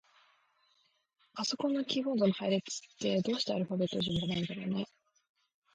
パソコンのキーボードの配列って、どうしてアルファベット順じゃないんだろうね。